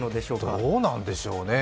どうなんでしょうね？